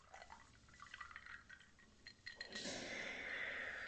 El segundo elemento del nombre, varga, significa "cuesta".